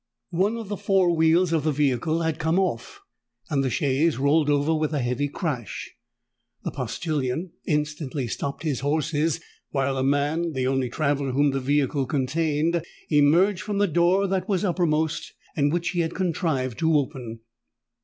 One of the fore wheels of the vehicle had come off; and the chaise rolled over with a heavy crash. The postillion instantly stopped his horses; while a man—the only traveller whom the vehicle contained—emerged from the door that was uppermost, and which he had contrived to open.